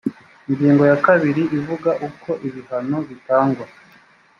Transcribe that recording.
ingingo ya kabili ivuga uko ibihano bitangwa